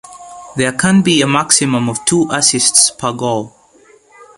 There can be a maximum of two assists per goal.